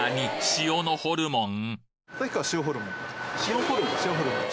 塩のホルモン？